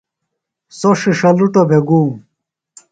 سوۡ ݜِݜلُٹوۡ بھےۡ گُوم۔